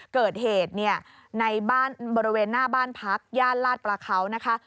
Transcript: เกิดเหตุในบ้านบริเวณหน้าบ้านพักย่านลาดปลาเค้าท์